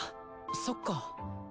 そっか。